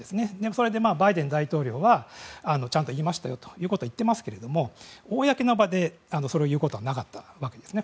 それで、バイデン大統領はちゃんと言いましたよと言っていますけども公の場で、それを言うことはなかったわけですね。